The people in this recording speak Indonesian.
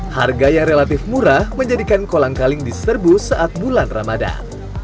harga yang relatif murah menjadikan kolang kaling diserbu saat bulan ramadan